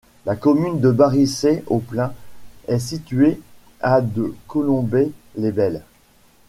La commune de Barisey-au-Plain est située à de Colombey-les-Belles.